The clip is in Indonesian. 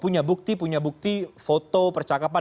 punya bukti punya bukti foto percakapan